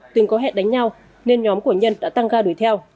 tuy có hẹn đánh nhau nên nhóm của nhân đã tăng ga đuổi theo